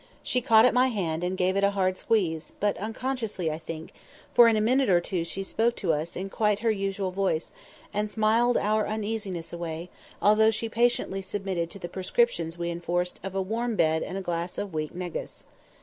She caught at my hand, and gave it a hard squeeze—but unconsciously, I think—for in a minute or two she spoke to us quite in her usual voice, and smiled our uneasiness away, although she patiently submitted to the prescriptions we enforced of a warm bed and a glass of weak negus.